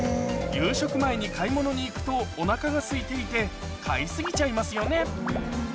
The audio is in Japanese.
夕食前に買い物に行くとお腹がすいていて買い過ぎちゃいますよね